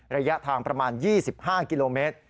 ระยะทางประมาณ๒๕กิโลเมตร